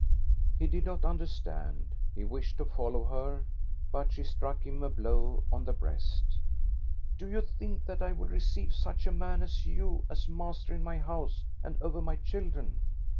He did not understand. He wished to follow her, but she struck him a blow on the breast. ■' Do you think that I will receive such a man as you as master in my house and over my children?"